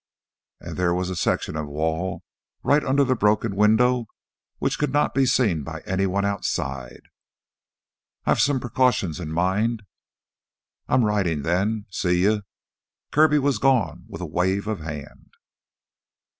And there was a section of wall right under the broken window which could not be seen by anyone outside. "I've some precautions in mind." "I'm ridin' then. See you." Kirby was gone with a wave of hand.